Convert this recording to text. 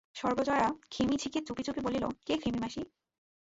সর্বজয়া ক্ষেমি ঝিকে চুপি চুপি বলিল, কে ক্ষেমি মাসি?